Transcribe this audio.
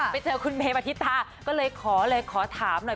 ไปเจอคุณเมรียบัทธิตาซึ่งเลยขอขอถามหน่อย